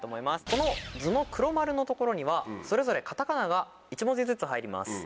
この図の黒丸の所にはそれぞれ片仮名が１文字ずつ入ります。